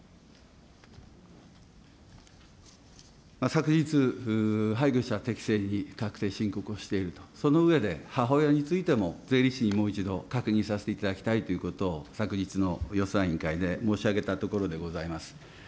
昨日、配偶者が適正に確定申告をしていると、その上で、母親についても税理士にもう一度確認させていただきたいということを昨日の予算委員会で申し上げたところでございます。